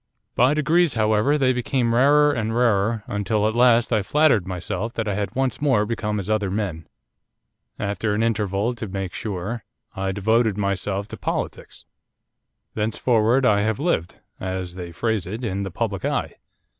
'By degrees, however, they became rarer and rarer, until at last I flattered myself that I had once more become as other men. After an interval, to make sure, I devoted myself to politics. Thenceforward I have lived, as they phrase it, in the public eye.